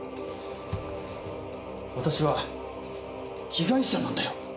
私は被害者なんだよ。